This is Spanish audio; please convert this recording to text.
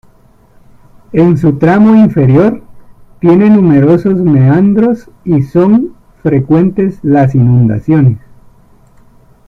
En su tramo inferior, tiene numerosos meandros y son frecuentes las inundaciones.